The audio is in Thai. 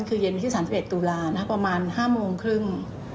คือเย็น๑๒ตุลานะคะประมาณ๕โมงครึ่ง